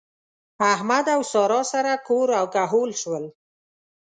احمد او سارا سره کور او کهول شول.